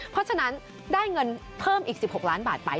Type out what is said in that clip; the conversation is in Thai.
เพราะฉะนั้นได้เงินเพิ่มอีก๑๖ล้านบาทไป